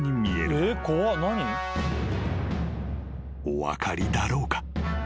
［お分かりだろうか？］